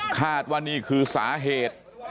คาดว่านี่คือสาเหตุ